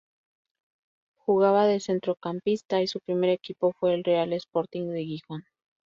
Jugaba de centrocampista y su primer equipo fue el Real Sporting de Gijón.